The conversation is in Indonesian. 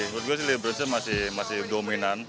menurut gue sih lebron james masih dominan